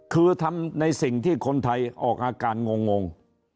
คือทำในสิ่งที่คนไทยออกอาการงง